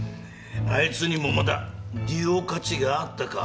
あいつにもまだ利用価値があったか。